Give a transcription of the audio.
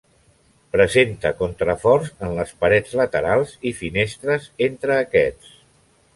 Presenta contraforts en les parets laterals i finestres entre aquests.